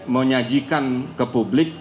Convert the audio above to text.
menyajikan ke publik